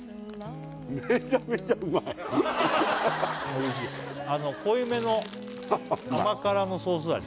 おいしい濃いめの甘辛のソース味